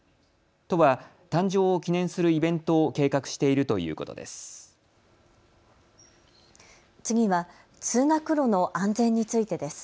都は誕生を記念するイベントを計画しているということです。